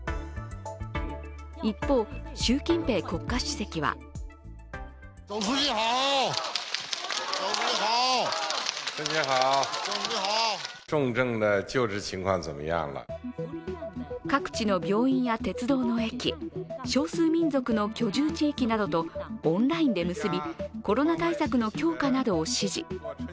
一方、習近平国家主席は各地の病院や鉄道の駅、少数民族の居住地域などとオンラインで結び、コロナ対策の強化などを指示。